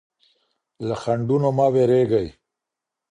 له خنډونو مه وېرېږئ.